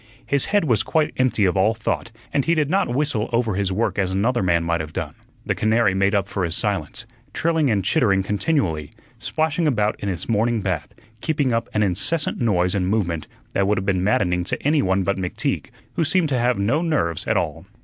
His head was quite empty of all thought, and he did not whistle over his work as another man might have done. The canary made up for his silence, trilling and chittering continually, splashing about in its morning bath, keeping up an incessant noise and movement that would have been maddening to any one but McTeague, who seemed to have no nerves at all.